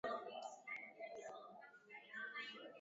vya uchafuzi wa hewa wa mijini na vijijini Katika maeneo ya kiangazi